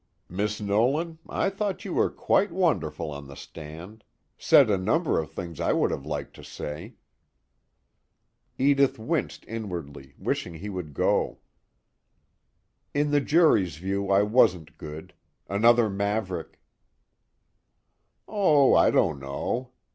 "Miss Nolan, I thought you were quite wonderful on the stand said a number of things I would have liked to say." Edith winced inwardly, wishing he would go. "In the jury's view I wasn't good. Another maverick." "Oh, I don't know."